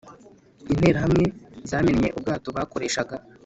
Interahamwe zamennye ubwato bakoreshaga